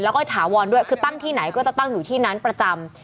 แล้วก็ถาวรด้วยคือตั้งที่ไหนก็จะตั้งอยู่ที่นั้นประจำ